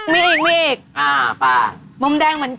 มีอีกมีอีก